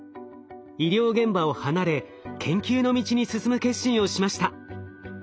医療現場を離れ研究の道に進む決心をしました。